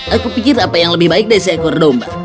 aku pikir apa yang lebih baik dari seekor domba